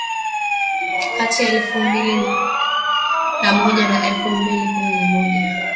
kati ya elfu mbili na moja na elfu mbili na kumi na moja